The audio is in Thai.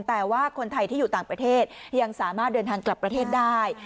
แต่ว่าคนไทยที่อยู่ต่างประเทศยังสามารถเดินทางกลับประเทศได้